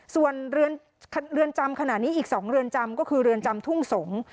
ส่วนเรือนจำขณะนี้อีก๒เรือนจำก็คือเรือนจำทุ่งสงศ์